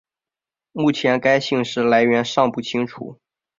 目前该姓氏来源尚不清楚。